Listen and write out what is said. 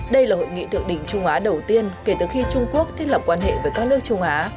đây là hội nghị thượng đỉnh trung á đầu tiên kể từ khi trung quốc thiết lập quan hệ với các nước trung á